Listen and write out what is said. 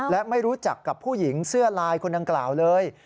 และไม่รู้จักกับผู้หญิงเสื้อลายคนดังกล่าวเลย